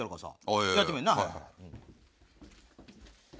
はい。